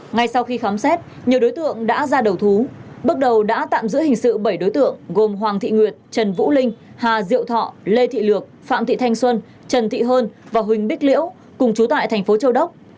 ngay sau khi khám xét nhiều đối tượng đã ra đầu thú bước đầu đã tạm giữ hình sự bảy đối tượng gồm hoàng thị nguyệt trần vũ linh hà diệu thọ lê thị lược phạm thị thanh xuân trần thị hơn và huỳnh bích liễu cùng chú tại thành phố châu đốc